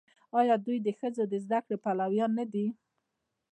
آیا دوی د ښځو د زده کړې پلویان نه دي؟